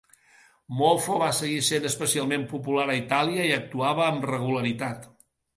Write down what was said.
Moffo va seguir sent especialment popular a Itàlia i hi actuava amb regularitat.